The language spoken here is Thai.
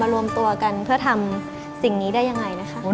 รวมตัวกันเพื่อทำสิ่งนี้ได้ยังไงนะคะ